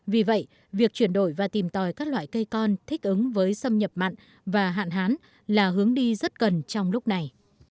vì vậy việc chuyển đổi và tìm tòi các loại cây con thích ứng với xâm nhập mặn và hạn hán là hướng đi rất cần trong lúc này